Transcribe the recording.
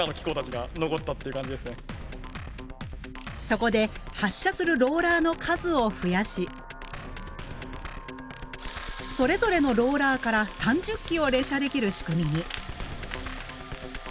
そこで発射するローラーの数を増やしそれぞれのローラーから３０機を連射できる仕組みに。